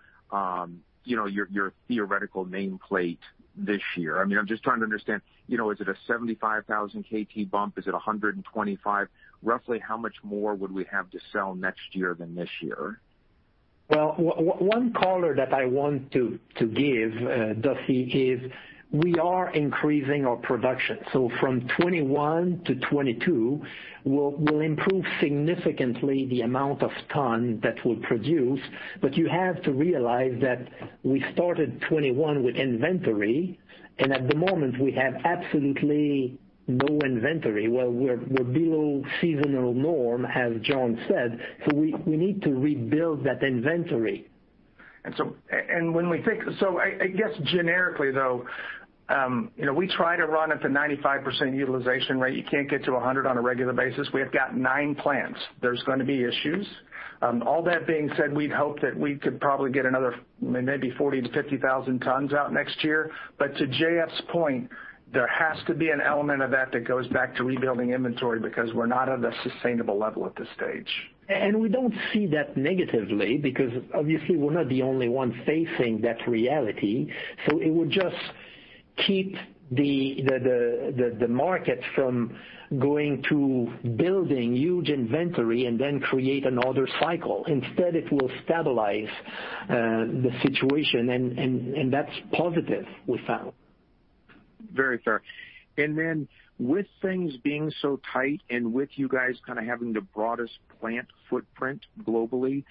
your theoretical nameplate this year? I'm just trying to understand, is it a 75,000 kt bump? Is it 125 kt? Roughly how much more would we have to sell next year than this year? Well, one color that I want to give, Duffy Fischer, is we are increasing our production. From 2021 to 2022, we'll improve significantly the amount of tons that we'll produce. You have to realize that we started 2021 with inventory, and at the moment, we have absolutely no inventory. Well, we're below seasonal norm, as John said, so we need to rebuild that inventory. I guess generically, though, we try to run at the 95% utilization rate. You can't get to 100% on a regular basis. We have got nine plants. There's going to be issues. All that being said, we'd hope that we could probably get another maybe 40,000 to 50,000 tons out next year. To J.F.'s point, there has to be an element of that that goes back to rebuilding inventory because we're not at a sustainable level at this stage. We don't see that negatively because obviously we're not the only one facing that reality. We just keep the market from going to building huge inventory and then create another cycle. Instead, it will stabilize the situation, and that's positive, we found. Very fair. With things being so tight, and with you guys kind of having the broadest plant footprint globally,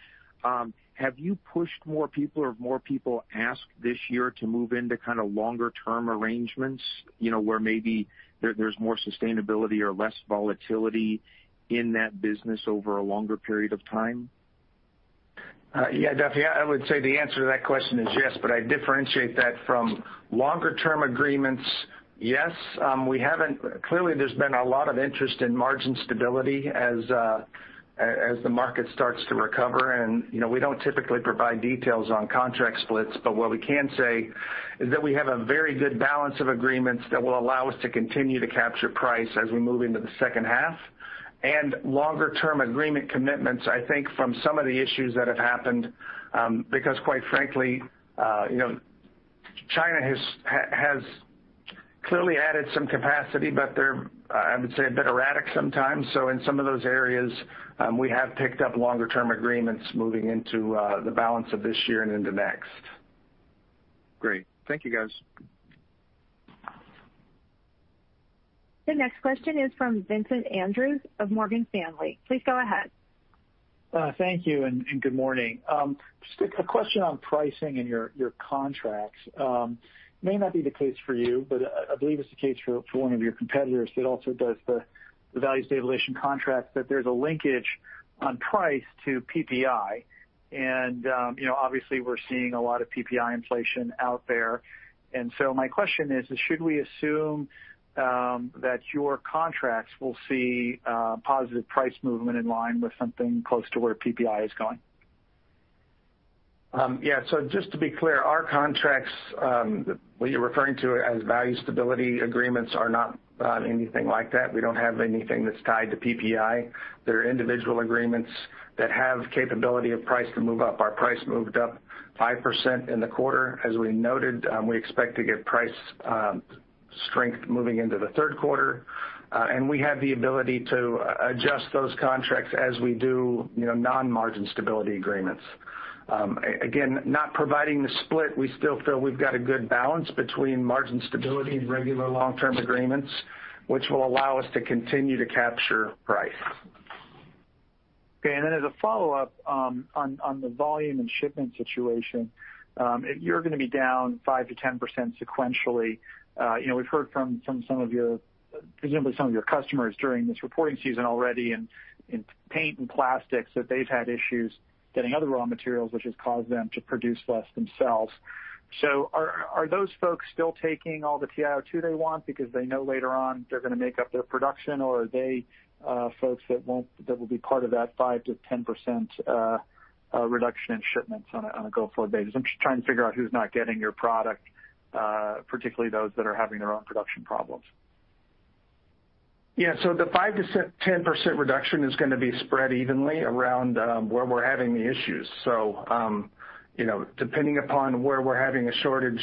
have you pushed more people, or have more people asked this year to move into longer-term arrangements, where maybe there's more sustainability or less volatility in that business over a longer period of time? Yeah, Duffy, I would say the answer to that question is yes, but I differentiate that from longer-term agreements. Yes. Clearly, there's been a lot of interest in margin stability as the market starts to recover, and we don't typically provide details on contract splits, but what we can say is that we have a very good balance of agreements that will allow us to continue to capture price as we move into the second half. Longer-term agreement commitments, I think from some of the issues that have happened, because quite frankly China has clearly added some capacity, but they're, I would say, a bit erratic sometimes. In some of those areas, we have picked up longer-term agreements moving into the balance of this year and into next. Great. Thank you, guys. The next question is from Vincent Andrews of Morgan Stanley. Please go ahead. Thank you, and good morning. Just a question on pricing and your contracts. May not be the case for you, but I believe it's the case for one of your competitors that also does the value stabilization contract, that there's a linkage on price to PPI, and obviously we're seeing a lot of PPI inflation out there. My question is should we assume that your contracts will see positive price movement in line with something close to where PPI is going? Just to be clear, our contracts, what you're referring to as value stability agreements, are not anything like that. We don't have anything that's tied to PPI. They're individual agreements that have capability of price to move up. Our price moved up 5% in the quarter. As we noted, we expect to get price strength moving into the third quarter. We have the ability to adjust those contracts as we do non-margin stability agreements. Again, not providing the split, we still feel we've got a good balance between margin stability and regular long-term agreements, which will allow us to continue to capture price. Okay. As a follow-up on the volume and shipment situation, you're going to be down 5%-10% sequentially. We've heard from presumably some of your customers during this reporting season already in paint and plastics that they've had issues getting other raw materials, which has caused them to produce less themselves. Are those folks still taking all the TiO2 they want because they know later on they're going to make up their production? Or are they folks that will be part of that 5%-10% reduction in shipments on a go-forward basis? I'm just trying to figure out who's not getting your product, particularly those that are having their own production problems. The 5%-10% reduction is going to be spread evenly around where we're having the issues. Depending upon where we're having a shortage,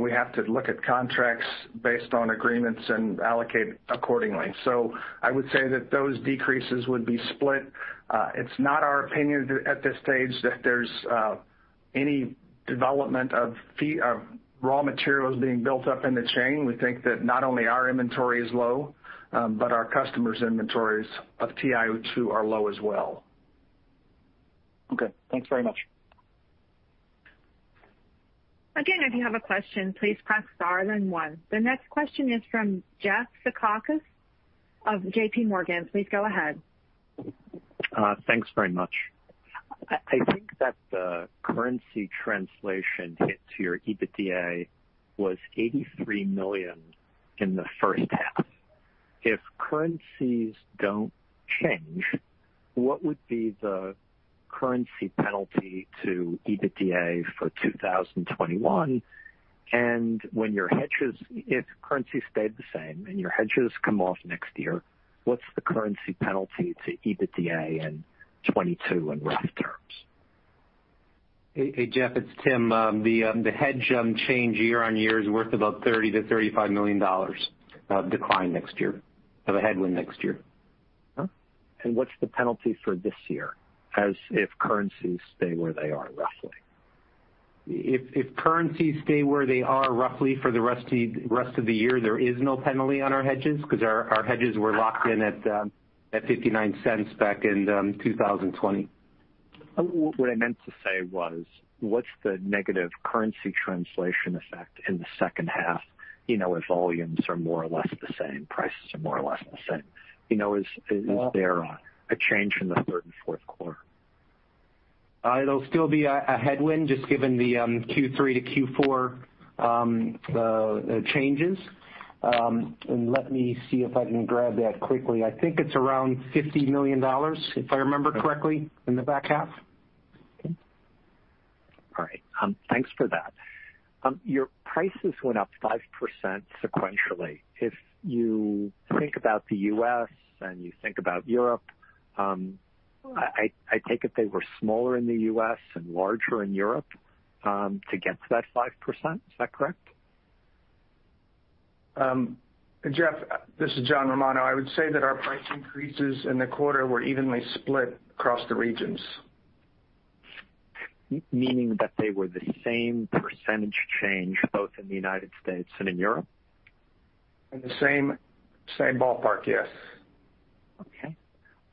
we have to look at contracts based on agreements and allocate accordingly. I would say that those decreases would be split. It's not our opinion at this stage that there's any development of raw materials being built up in the chain. We think that not only our inventory is low, but our customers' inventories of TiO2 are low as well. Okay. Thanks very much. Again, if you have a question, please press star then one. The next question is from Jeff Zekauskas of JPMorgan. Please go ahead. Thanks very much. I think that the currency translation hit to your EBITDA was $83 million in the first half. If currencies don't change, what would be the currency penalty to EBITDA for 2021? If currencies stayed the same and your hedges come off next year, what's the currency penalty to EBITDA in 2022 in rough terms? Hey, Jeff, it's Tim. The hedge change year-over-year is worth about $30 million-$35 million decline next year, of a headwind next year. What's the penalty for this year as if currencies stay where they are roughly? If currencies stay where they are roughly for the rest of the year, there is no penalty on our hedges because our hedges were locked in at $0.59 back in 2020. What I meant to say was what's the negative currency translation effect in the second half if volumes are more or less the same, prices are more or less the same. Is there a change from the third and fourth quarter? It'll still be a headwind just given the Q3 to Q4 changes. Let me see if I can grab that quickly. I think it's around $50 million, if I remember correctly, in the back half. Okay. All right. Thanks for that. Your prices went up 5% sequentially. If you think about the U.S. and you think about Europe, I take it they were smaller in the U.S. and larger in Europe to get to that 5%. Is that correct? Jeff, this is John Romano. I would say that our price increases in the quarter were evenly split across the regions. Meaning that they were the same percentage change both in the United States and in Europe? In the same ballpark, yes. Okay.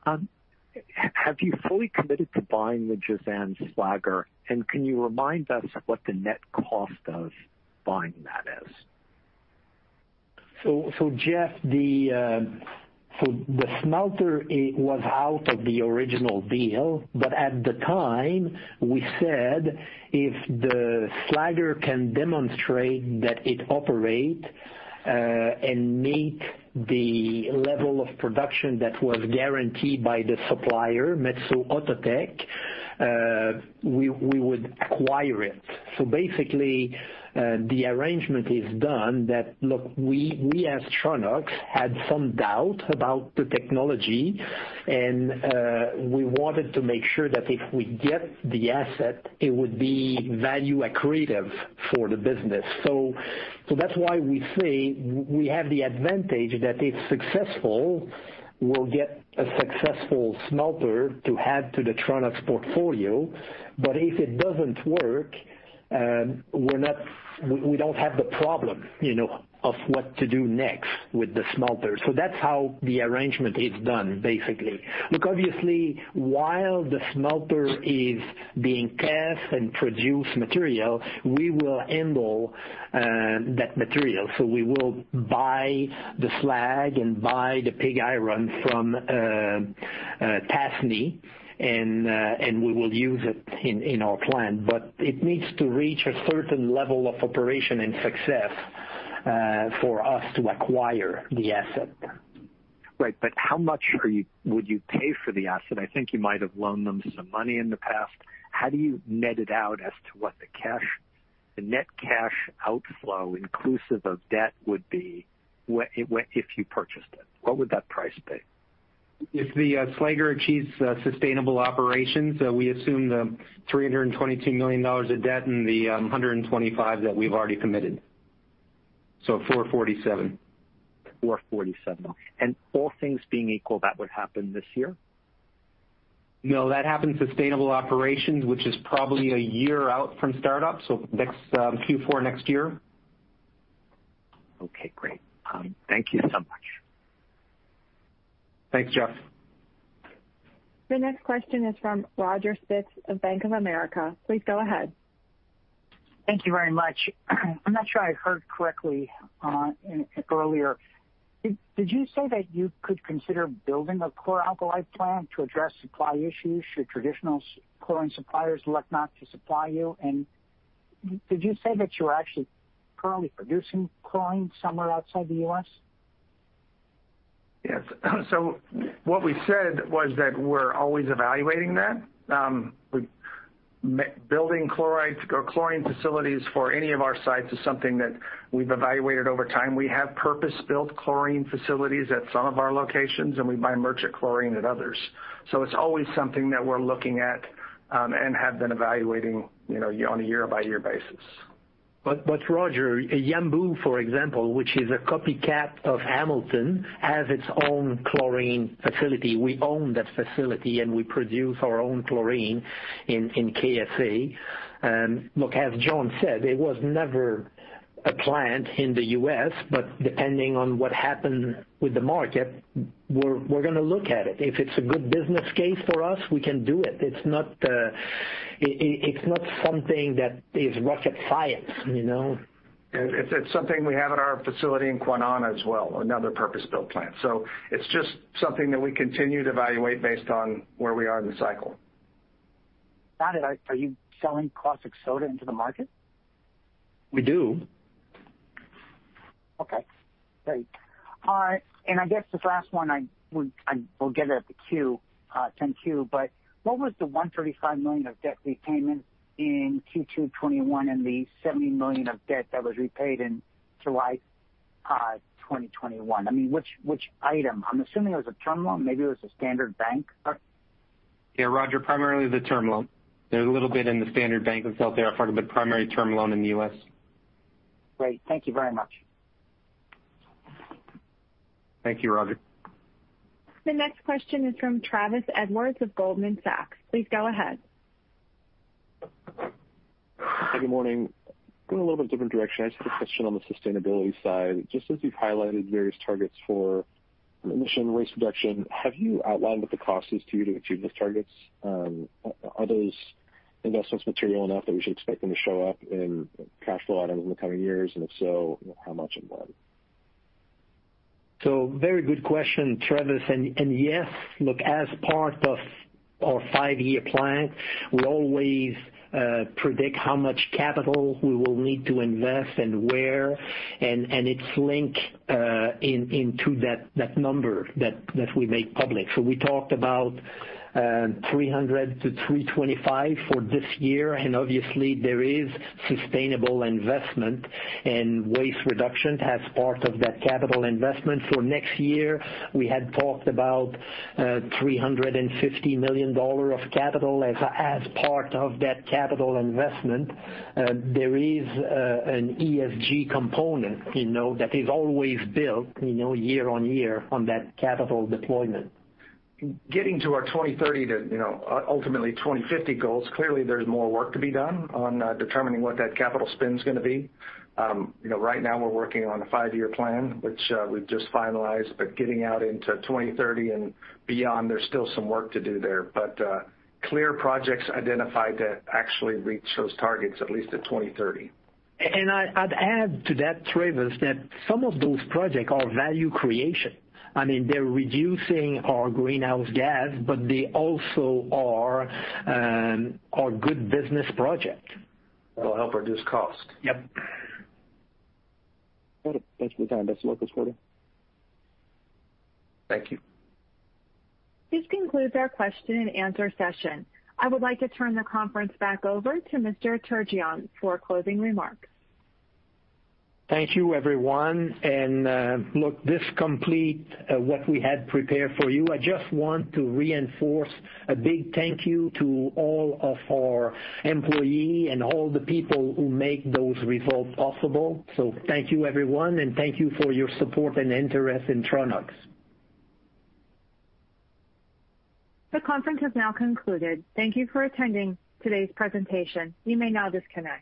Have you fully committed to buying the Jazan slagger? Can you remind us what the net cost of buying that is? Jeff, the smelter was out of the original deal, but at the time, we said if the slagger can demonstrate that it operate, and meet the level of production that was guaranteed by the supplier, Metso Outotec, we would acquire it. Basically, the arrangement is done that, look, we, as Tronox, had some doubt about the technology, and we wanted to make sure that if we get the asset, it would be value accretive for the business. That's why we say we have the advantage that if successful, we'll get a successful smelter to add to the Tronox portfolio. If it doesn't work, we don't have the problem of what to do next with the smelter. That's how the arrangement is done, basically. Look, obviously, while the smelter is being cast and produce material, we will handle that material. We will buy the slag and buy the pig iron from Tasnee, and we will use it in our plant. It needs to reach a certain level of operation and success for us to acquire the asset. How much would you pay for the asset? I think you might have loaned them some money in the past. How do you net it out as to what the net cash outflow inclusive of debt would be if you purchased it? What would that price be? If the slagger achieves sustainable operations, we assume the $322 million of debt and the $125 million that we've already committed, $447 million. $447. All things being equal, that would happen this year? No, that happens sustainable operations, which is probably a year out from startup, so Q4 next year. Okay, great. Thank you so much. Thanks, Jeff. The next question is from Roger Spitz of Bank of America. Please go ahead. Thank you very much. I'm not sure I heard correctly earlier. Did you say that you could consider building a chlor-alkali plant to address supply issues should traditional chlorine suppliers elect not to supply you? Did you say that you're actually currently producing chlorine somewhere outside the U.S.? Yes. What we said was that we're always evaluating that. Building chlorine facilities for any of our sites is something that we've evaluated over time. We have purpose-built chlorine facilities at some of our locations, and we buy merchant chlorine at others. It's always something that we're looking at, and have been evaluating on a year-by-year basis. Roger, Yanbu, for example, which is a copycat of Hamilton, has its own chlorine facility. We own that facility, and we produce our own chlorine in KSA. Look, as John said, it was never a plant in the U.S., but depending on what happened with the market, we're going to look at it. If it's a good business case for us, we can do it. It's not something that is rocket science. It's something we have at our facility in Kwinana as well, another purpose-built plant. It's just something that we continue to evaluate based on where we are in the cycle. Got it. Are you selling caustic soda into the market? We do. Okay, great. All right. I guess this last one, I will get it at the Q, 10-Q. What was the $135 million of debt repayment in Q2 2021 and the $70 million of debt that was repaid in July 2021? Which item? I'm assuming it was a term loan, maybe it was a standard bank loan. Yeah, Roger, primarily the term loan. There's a little bit in The Standard Bank of South Africa, but primary term loan in the U.S. Great. Thank you very much. Thank you, Roger. The next question is from Travis Edwards of Goldman Sachs. Please go ahead. Good morning. Going a little bit different direction. I just have a question on the sustainability side. Just as you've highlighted various targets for emission waste reduction, have you outlined what the cost is to you to achieve those targets? Are those investments material enough that we should expect them to show up in cash flow items in the coming years? If so, how much of that? Very good question, Travis. Yes, look, as part of our five-year plan, we always predict how much capital we will need to invest and where, and it's linked into that number that we make public. We talked about $300-$325 for this year, and obviously there is sustainable investment, and waste reduction as part of that capital investment. For next year, we had talked about $350 million of capital as part of that capital investment. There is an ESG component that is always built year-on-year on that capital deployment. Getting to our 2030 to ultimately 2050 goals, clearly there's more work to be done on determining what that capital spend is going to be. Right now we're working on a five-year plan, which we've just finalized, but getting out into 2030 and beyond, there's still some work to do there. Clear projects identified that actually reach those targets, at least to 2030. I'd add to that, Travis, that some of those projects are value creation. They're reducing our greenhouse gas, but they also are good business projects. They'll help reduce cost. Yep. That's my time. That's all the questions for me. Thank you. This concludes our question-and-answer session. I would like to turn the conference back over to Mr. Turgeon for closing remarks. Thank you, everyone. Look, this completes what we had prepared for you. I just want to reinforce a big thank you to all of our employees and all the people who make those results possible. Thank you, everyone, and thank you for your support and interest in Tronox. The conference has now concluded. Thank you for attending today's presentation. You may now disconnect.